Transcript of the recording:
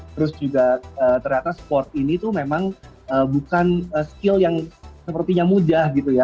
terus juga ternyata sport ini tuh memang bukan skill yang sepertinya mudah gitu ya